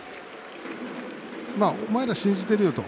お前ら、信じてるよと。